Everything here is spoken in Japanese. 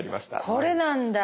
これなんだ。